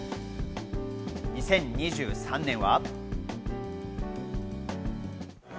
２０２３年は。